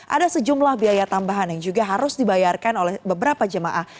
ada sejumlah biaya tambahan yang juga harus dibayarkan oleh beberapa jemaah